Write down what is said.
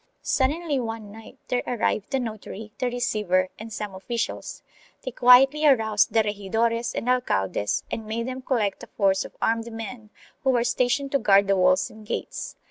Suddenly one night there arrived the notary, the receiver and some officials; they quietly aroused the regidores and alcaldes and made them collect a force of armed men who were stationed to guard the walls and gates.